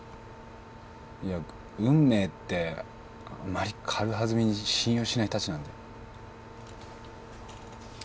いや運命ってあまり軽はずみに信用しないタチなんで。